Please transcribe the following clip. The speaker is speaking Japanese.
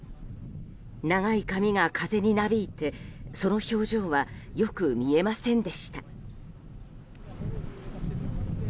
長い髪が風になびいてその表情はよく見えませんでした。